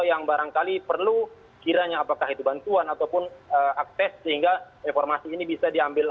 yang barangkali perlu kiranya apakah itu bantuan ataupun akses sehingga informasi ini bisa diambil